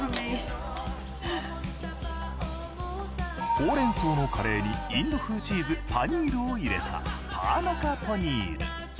ほうれん草のカレーにインド風チーズパニールを入れたパーナカポニール。